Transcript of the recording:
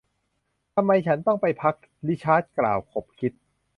ทำไม ฉันต้องไปพัก ริชาร์ดกล่าว ขบคิด